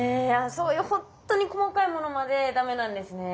そういうほんとに細かいものまでダメなんですね。